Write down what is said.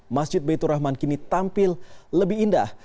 masjid baitur rahman kini tampil lebih indah